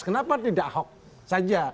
kenapa tidak ahok saja